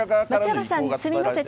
松山さん、すみません